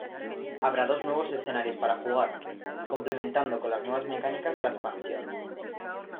Habrá dos nuevos escenarios para jugar, complementando con las nuevas mecánicas de la expansión.